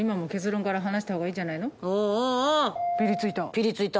ピリついた。